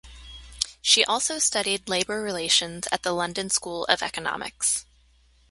She also studied Labor Relations at the London School of Economics.